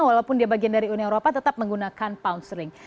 walaupun dia bagian dari uni eropa tetap menggunakan pound sterling